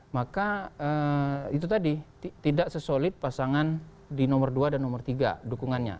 maka itu tadi tidak sesolid pasangan di nomor dua dan nomor tiga dukungannya